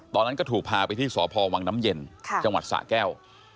ตอนนั้นก็ถูกพาไปที่สพวังน้ำเย็นจังหวัดสะแก้ว